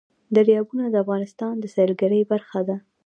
دریابونه د افغانستان د سیلګرۍ برخه ده.